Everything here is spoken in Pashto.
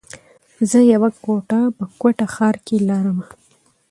زه يوه کوټه په کوټه ښار کي لره مه